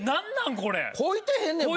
こいてへんねんもん。